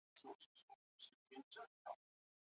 二硝基苯酚